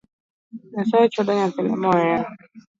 Nyasaye chwado nyathine mohero